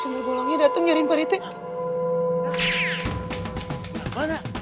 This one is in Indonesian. sundar bolongnya datang cari para etek